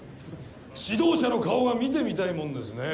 指導者の顔が見てみたいもんですねぇ。